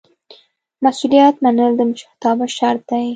مسؤلیت منل د مشرتابه شرط دی.